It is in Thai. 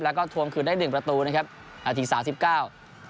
แล้วก็ทวงคืนได้หนึ่งประตูนะครับนาทีสามสิบเก้า